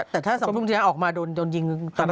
แต่ถ้า๒ทุ่มถึงตี๕ออกมาโดนยิงตรงเมฆ